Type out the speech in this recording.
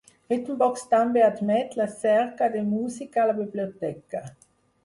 Rhythmbox també admet la cerca de música a la biblioteca.